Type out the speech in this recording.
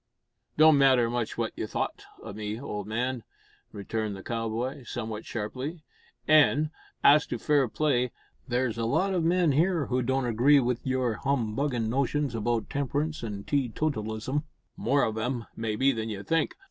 "It don't matter much what you thowt o' me, old man," returned the cowboy, somewhat sharply; "an', as to fair play, there's a lot of men here who don't agree wi' your humbuggin' notions about temperance an' tee totalism more of 'em, maybe, than you think.